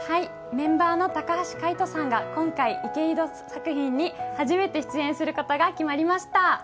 メンバーの高橋海人さんが今回、池井戸作品に初めて出演することが分かりました。